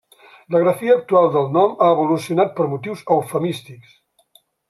La grafia actual del nom ha evolucionat per motius eufemístics.